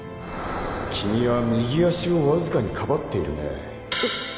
君は右足をわずかに庇っているね。